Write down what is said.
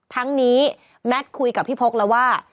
ทั้งนี้แมทคุยกับพี่พกแล้วว่า